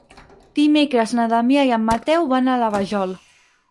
Dimecres na Damià i en Mateu van a la Vajol.